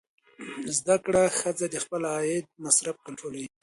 زده کړه ښځه د خپل عاید مصرف کنټرولوي.